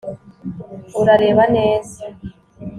Urareba neza